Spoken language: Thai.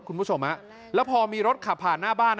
คุณผู้ชมแล้วพอมีรถขับผ่านหน้าบ้าน